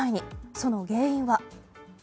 その原因は？